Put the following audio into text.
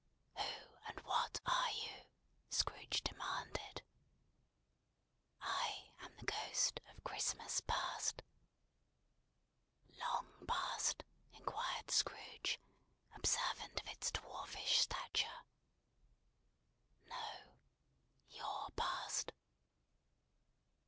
"Who, and what are you?" Scrooge demanded. "I am the Ghost of Christmas Past." "Long Past?" inquired Scrooge: observant of its dwarfish stature. "No. Your past."